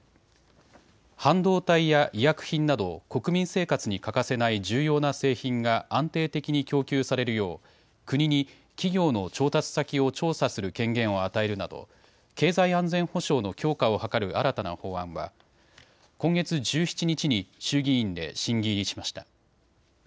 半導体や医薬品など国民生活に欠かせない重要な製品が安定的に供給されるよう国に企業の調達先を調査する権限を与えるなど経済安全保障の強化を図る新たな法案は今月１７日に衆議院で審議入りしました。